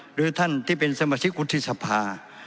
หรือท่านที่เป็นสมาชิกวุฒิสภา